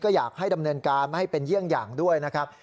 อยากให้ดำเนินการไม่ให้เป็นเยี่ยงอย่างด้วยนะครับ